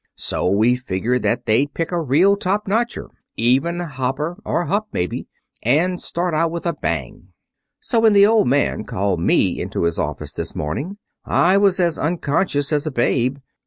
So we figured that they'd pick a real top notcher even Hopper, or Hupp, maybe and start out with a bang. So when the Old Man called me into his office this morning I was as unconscious as a babe.